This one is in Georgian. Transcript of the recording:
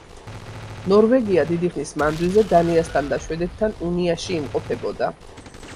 ნორვეგია დიდი ხნის მანძილზე დანიასთან და შვედეთთან უნიაში იმყოფებოდა.